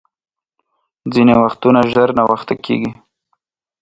ځیني وختونه ژر ناوخته کېږي .